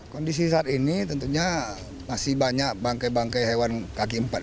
kondisi saat ini tentunya masih banyak bangkai bangkai hewan kaki empat